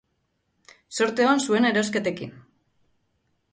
Zorte on zuen erosketekin!